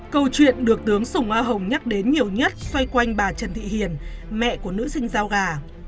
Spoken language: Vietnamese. câu chuyện được tướng sùng a hồng nhắc đến nhiều nhất xoay quanh bà trần thị hiền mẹ của nữ sinh giao gà